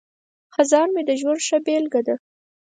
خزان مې د ژوند ښه بیلګه ده.